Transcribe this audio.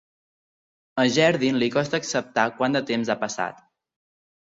A Gedrin li costa acceptar quant de temps ha passat.